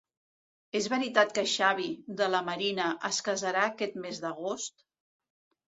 És veritat que Xavi, de la Marina, es casarà aquest mes d'agost?